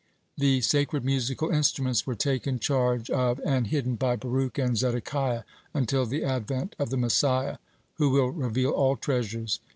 The sacred musical instruments were taken charge of and hidden by Baruch and Zedekiah until the advent of the Messiah, who will reveal all treasures.